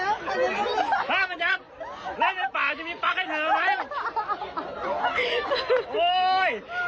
เอามาทำไมเตาลี่เนี่ยเดี๋ยวพ่อมันย้ำพ่อมันย้ำเล่นในป่าจะมีปั๊กให้เถอะไหม